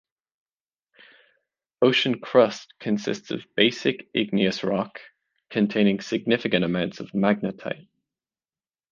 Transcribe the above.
Ocean crust consists of basic igneous rock, containing significant amounts of magnetite.